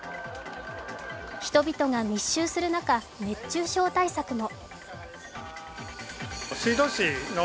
人々が密集する中、熱中症対策も。